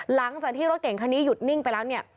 หลังจากที่รถเก่งคันนี้หยุดนิ่งไปแล้วเนี่ย